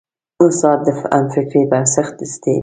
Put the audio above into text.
استاد د همفکرۍ بنسټ ږدي.